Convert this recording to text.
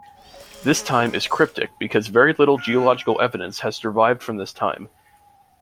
This time is cryptic because very little geological evidence has survived from this time.